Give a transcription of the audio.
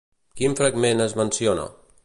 Quin fragment es menciona?